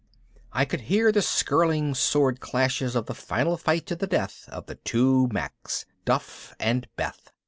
I could hear the skirling sword clashes of the final fight to the death of the two Macks, Duff and Beth.